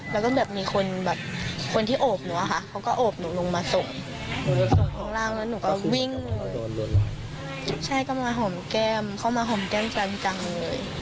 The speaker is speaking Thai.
แล้วก็แบบมีคนแบบคนที่โอบหนูอะค่ะเขาก็โอบหนูลงมาส่งหนูส่งข้างล่างแล้วหนูก็วิ่งเลยใช่ก็มาหอมแก้มเข้ามาหอมแก้มจังเลย